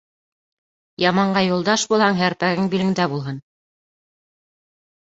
Яманға юлдаш булһаң, һәрпәгең билеңдә булһын.